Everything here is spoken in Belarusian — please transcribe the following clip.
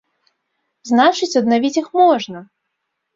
Значыць, аднавіць іх можна!